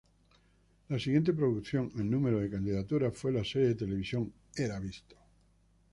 La siguiente producción en número de candidaturas fue la serie de televisión "Era visto!